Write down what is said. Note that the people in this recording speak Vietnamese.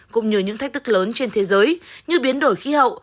cũng như những thách thức lớn trên thế giới như biến đổi khí hậu